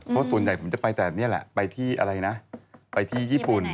เพราะส่วนใหญ่ผมจะไปแต่นี่แหละไปที่อะไรนะไปที่ญี่ปุ่น